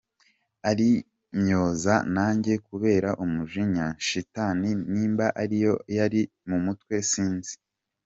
Arimyoza, nanjye kubera umujinya shitani nimba ariyo yari mu mutwe sinzi.